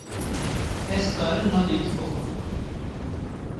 Ez karim nanekî bixwim.